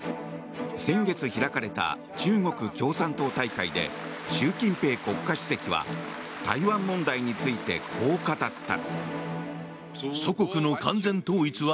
先月開かれた中国共産党大会で習近平国家主席は台湾問題についてこう語った。